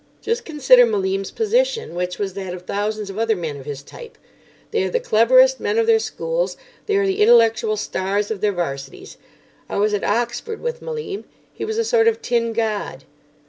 Just consider Malim's position, which was that of thousands of other men of his type. They are the cleverest men of their schools; they are the intellectual stars of their Varsities. I was at Oxford with Malim. He was a sort of tin god.